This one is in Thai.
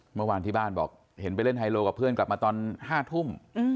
เมื่อวานที่บ้านบอกเห็นไปเล่นไฮโลกับเพื่อนกลับมาตอน๕ทุ่ม